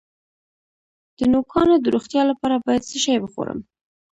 د نوکانو د روغتیا لپاره باید څه شی وخورم؟